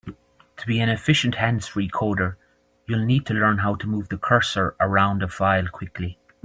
To be an efficient hands-free coder, you'll need to learn how to move the cursor around a file quickly.